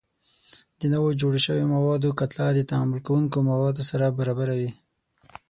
د نوو جوړ شویو موادو کتله د تعامل کوونکو موادو سره برابره وي.